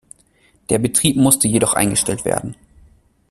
Der Betrieb musste jedoch eingestellt werden.